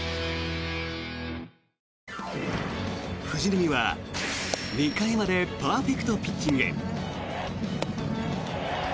藤浪は２回までパーフェクトピッチング。